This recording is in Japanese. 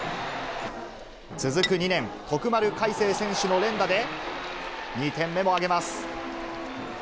続く２年、徳丸かいせい選手の連打で、２点目も挙げます。